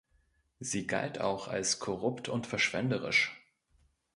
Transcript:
Sie galt auch als korrupt und verschwenderisch.